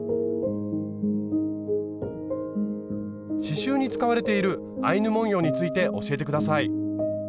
刺しゅうに使われているアイヌ文様について教えて下さい。